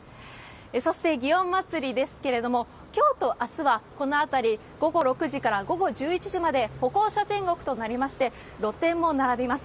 そして、祇園祭ですけれども、きょうとあすは、この辺り、午後６時から午後１１時まで歩行者天国となりまして、露店も並びます。